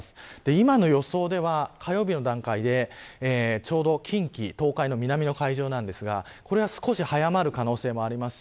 今の予想では、火曜日の段階でちょうど近畿東海の南の海上ですが少し速まる可能性もあります。